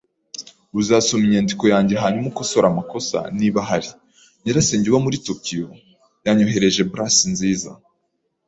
Uzasoma inyandiko yanjye hanyuma ukosore amakosa, niba ahari? Nyirasenge uba muri Tokiyo, yanyoherereje blus nziza.